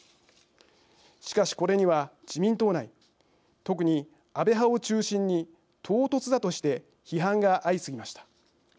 しかし、これには自民党内特に安倍派を中心に唐突だとして批判が相次ぎました。